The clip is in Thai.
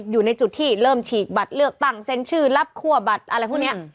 อยู่ในจุดที่เริ่มฉีกบัตรเลือกตั้งเซ็นชื่อรับคั่วบัตรอะไรพวกนี้